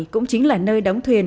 cũng chính là nơi đóng thuyền